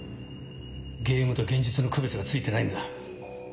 ゲームと現実の区別がついてないんだ。